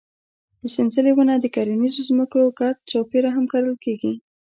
د سنځلې ونه د کرنیزو ځمکو ګرد چاپېره هم کرل کېږي.